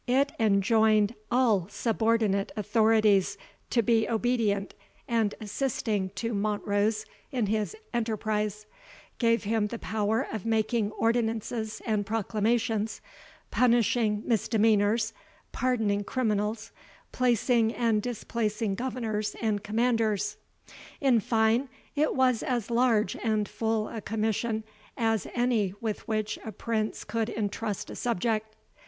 It enjoined all subordinate authorities to be obedient and assisting to Montrose in his enterprise; gave him the power of making ordinances and proclamations, punishing misdemeanours, pardoning criminals, placing and displacing governors and commanders. In fine, it was as large and full a commission as any with which a prince could intrust a subject.